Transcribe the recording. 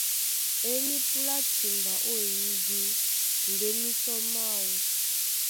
E nípúlá timba ó eyídí ndé mísɔ máō.